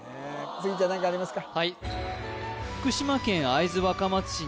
杉ちゃん何かありますか？